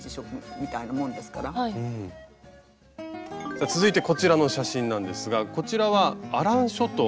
さあ続いてこちらの写真なんですがこちらはアラン諸島？